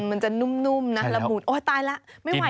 มันจะนุ่มนะละมุนโอ๊ยตายแล้วไม่ไหว